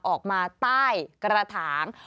ออกมาใต้กระถาง